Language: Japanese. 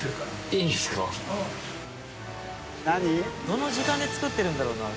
どの時間で作ってるんだろうな？